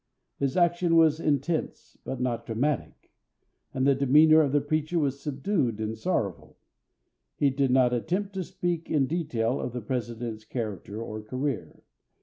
His action was intense but not dramatic; and the demeanor of the preacher was subdued and sorrowful. He did not attempt to speak in detail of the President's character or career.